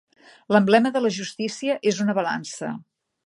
L'emblema de la justícia és una balança.